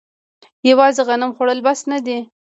یوازې غنم خوړل بس نه دي.